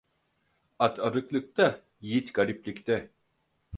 At arıklıkta, yiğit gariplikte.